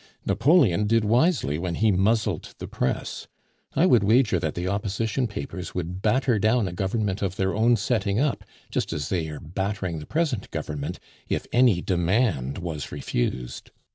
"Napoleon did wisely when he muzzled the press. I would wager that the Opposition papers would batter down a government of their own setting up, just as they are battering the present government, if any demand was refused.